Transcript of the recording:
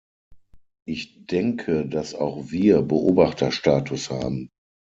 Ich denke, dass auch wir Beobachterstatus haben.